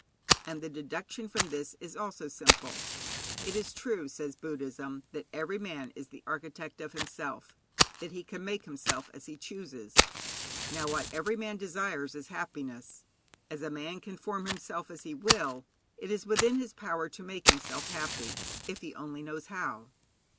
And the deduction from this is also simple. It is true, says Buddhism, that every man is the architect of himself, that he can make himself as he chooses. Now, what every man desires is happiness. As a man can form himself as he will, it is within his power to make himself happy, if he only knows how.